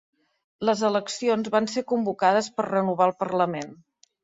Les eleccions van ser convocades per renovar el parlament.